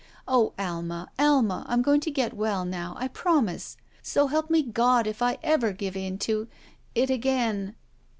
Oh, Alma, Alma, I'm going to get well now! I promise. So help me God if I ever give in to — it again."